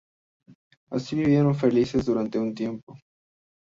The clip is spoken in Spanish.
Así vivieron felices durante un tiempo.